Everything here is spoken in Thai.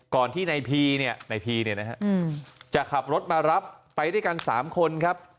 ก่อนที่ในพีนี่นะครับจะขับรถมารับไปด้วยกัน๓คนครับ